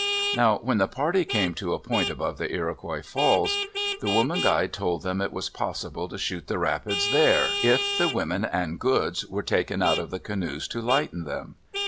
Now when the party came to a point above the Iroquois Falls, the woman guide told them it was possible to shoot the rapids there if the women and goods were taken out of the canoes to lighten them.